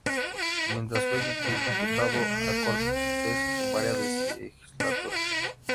Mientras fue diputado a Cortes en varias legislaturas.